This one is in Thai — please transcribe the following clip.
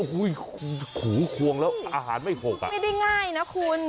เฮ้ยหูควงแล้วอาหารไม่หกอ่ะภูกลึกไม่ได้ง่ายนะคุณ